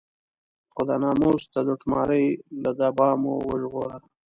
خو د ناموس د لوټمارۍ له دبا مو وژغوره.